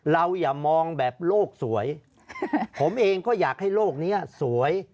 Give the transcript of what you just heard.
อย่ามองแบบโลกสวยผมเองก็อยากให้โลกนี้สวย